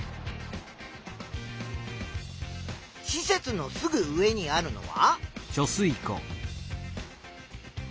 施設のすぐ上にあるのは？